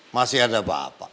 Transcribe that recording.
masih ada bapak